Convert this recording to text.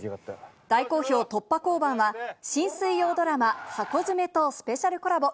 大好評、突破交番は、新水曜ドラマ、ハコヅメとスペシャルコラボ。